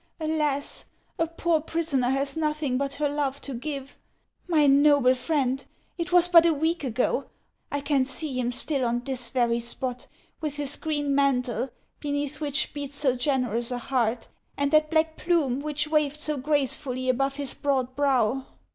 Alas ! a poor prisoner has nothing but her love to give. My noble friend ! It was but a week ago, — I can see him still on this very spot, with his green mantle, beneath which beats so generous a heart, and that black plume, which waved so gracefully above his broad brow."